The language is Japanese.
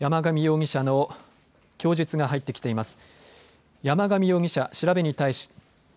山上容疑者の供述が入ってきています。